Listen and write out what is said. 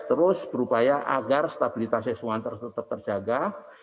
terus berupaya agar stabilitas s satu terus tetap terjaga